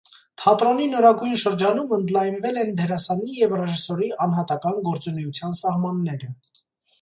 Թատրոնի նորագույն շրջանում ընդլայնվել են դերասանի և ռեժիսորի անհատական գործունեության սահմանները։